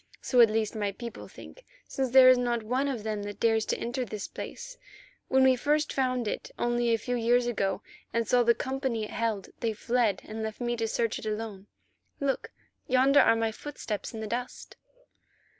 So at least my people think, since there is not one of them that dares to enter this place. When first we found it only a few years ago and saw the company it held, they fled, and left me to search it alone. Look, yonder are my footsteps in the dust."